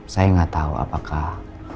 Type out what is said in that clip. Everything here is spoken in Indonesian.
saya gak tahu apakah